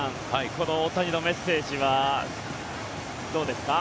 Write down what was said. この大谷のメッセージはどうですか。